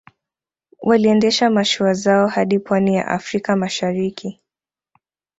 Waliendesha mashua zao hadi Pwani ya Afrika Mashariki